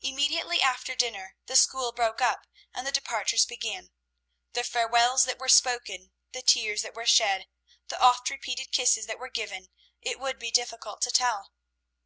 Immediately after dinner the school broke up and the departures began. The farewells that were spoken, the tears that were shed, the oft repeated kisses that were given, it would be difficult to tell.